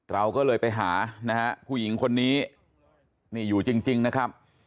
เราก็เลยไปหานะฮะผู้หญิงคนนี้นี่อยู่จริงนะครับ